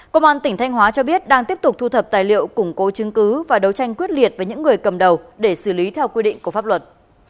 công an tỉnh thanh hóa cho biết đang tiếp tục thu thập tài liệu củng cố chứng cứ và đấu tranh quyết liệt với những người cầm đầu để xử lý theo quy định của pháp luật